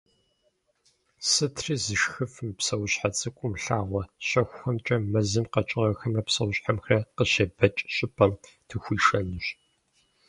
Сытри зышхыф мы псэущхьэ цӏыкӏум лъагъуэ щэхухэмкӏэ мэзым къэкӏыгъэхэмрэ псэущхьэхэмрэ къыщебэкӏ щӏыпӏэм дыхуишэнущ.